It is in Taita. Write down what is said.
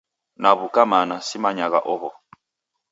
Naw'uka mana, simanyagha oho.